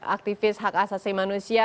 aktivis hak asasi manusia